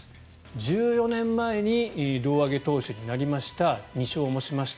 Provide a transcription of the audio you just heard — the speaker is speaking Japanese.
１４年前に胴上げ投手になりました２勝もしました。